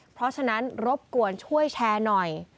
เพราะฉะนั้นรบกวนช่วยแชร์หน่อย